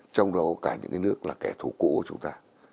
trong đó cả những nước là kẻ thù cũ của chúng ta